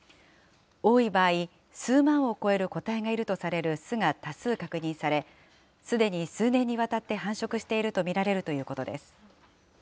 多い場合、数万を超える個体がいるとされる巣が多数確認され、すでに数年にわたって繁殖していると見られるということです。